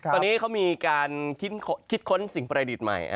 ตอนนี้เขามีการคิดค้นสิ่งประดิษฐ์ใหม่